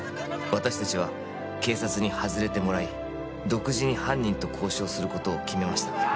私達は警察に外れてもらい独自に犯人と交渉することを決めました